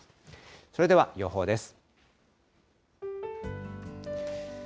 それでは予報です。